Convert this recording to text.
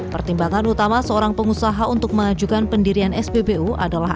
pertimbangan utama seorang pengusaha untuk mengajukan pendirian spbu adalah